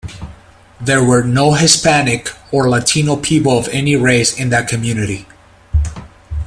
There were no Hispanic or Latino people of any race in the community.